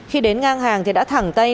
khi đến ngang hàng thì đã thẳng tay